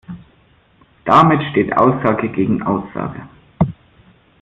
Damit steht Aussage gegen Aussage.